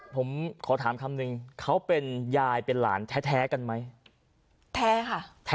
ผมขอถามคำนึงเขาเป็นยายเป็นหลานแท้กันไหมแท้ค่ะ